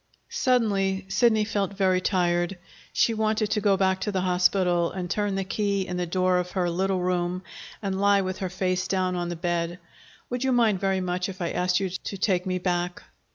Suddenly Sidney felt very tired. She wanted to go back to the hospital, and turn the key in the door of her little room, and lie with her face down on the bed. "Would you mind very much if I asked you to take me back?"